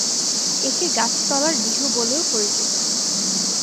একে গাছ তলার বিহু বলেও পরিচিত।